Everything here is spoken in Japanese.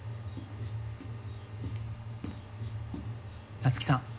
夏希さん